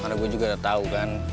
karena gue juga udah tahu kan